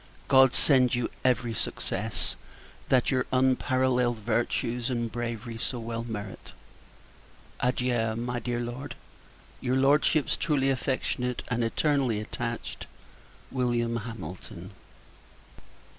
God send you every success, that your unparalleled virtues and bravery so well merit. Adieu, my dear Lord! Your Lordship's truly affectionate, and eternally attached, Wm. HAMILTON.